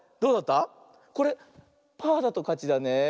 これパーだとかちだねえ。